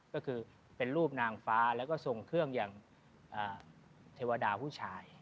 ก็คือเป็นรูปนางฟ้าแล้วก็ทรงเครื่องอย่างเทวดาผู้ชาย